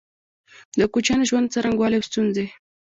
د کوچيانو د ژوند څرنګوالی او ستونزي